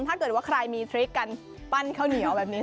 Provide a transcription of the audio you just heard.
ถ้าเกิดว่าใครมีทริคกันปั้นข้าวเหนียวแบบนี้